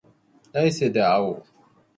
来世で会おう